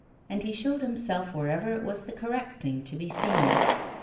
And he showed himself wherever it was the correct thing to be seen.